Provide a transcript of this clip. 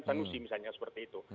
sanusi misalnya seperti itu